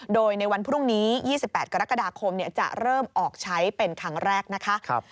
โดยในวันพรุ่งนี้๒๘กรกฎาคมจะเริ่มออกใช้เป็นครั้งแรกนะคะ